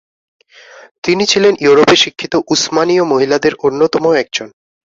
তিনি ছিলেন ইউরোপে শিক্ষিত উসমানীয় মহিলাদের অন্যতম একজন।